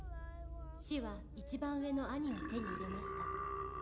「死は一番上の兄を手に入れました」